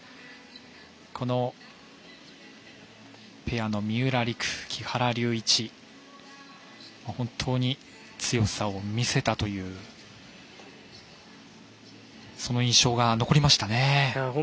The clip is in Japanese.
このペアの三浦璃来、木原龍一は本当に強さを見せたというその印象が残りましたね。